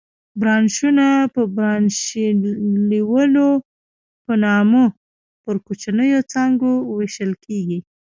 برانشونه په برانشیولونو په نامه پر کوچنیو څانګو وېشل کېږي.